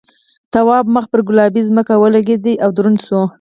تواب مخ پر گلابي ځمکه ولگېد او دروند شو.